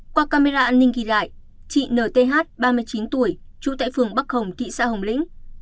qua camera an ninh ghi lại chị nthth ba mươi chín tuổi trú tại phường bắc hồng thị xã hồng lĩnh